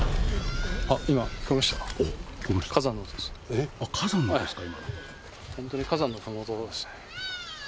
えっ火山の音ですか？